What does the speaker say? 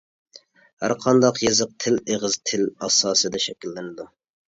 ھەرقانداق يېزىق تىل ئېغىز تىل ئاساسىدا شەكىللىنىدۇ.